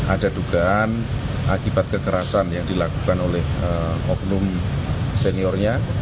ada dugaan akibat kekerasan yang dilakukan oleh oknum seniornya